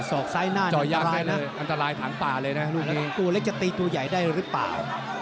สอกซ้ายหน้าอันตรายนะครับตัวเล็กจะตีตัวใหญ่ได้หรือเปล่า